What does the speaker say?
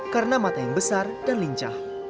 karena mata yang besar dan lincah